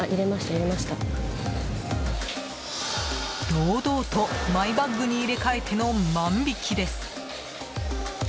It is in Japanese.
堂々とマイバッグに入れ替えての万引きです！